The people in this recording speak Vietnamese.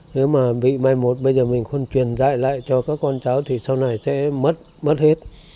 nếu mà bị mai một bây giờ mình không truyền dạy lại cho các con cháu thì sau này sẽ mất mất hết